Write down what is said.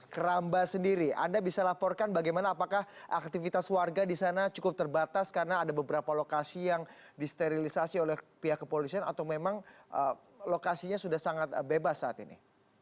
keramba sendiri anda bisa laporkan bagaimana apakah aktivitas warga di sana cukup terbatas karena ada beberapa lokasi yang disterilisasi oleh pihak kepolisian atau memang lokasinya sudah sangat bebas saat ini